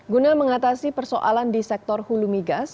guna mengatasi persoalan di sektor hulumigas